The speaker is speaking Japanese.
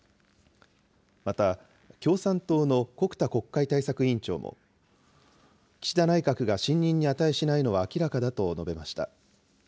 また、共産党の穀田国会対策委員長も、岸田内閣が信任に値しないのは明らかだと述べました。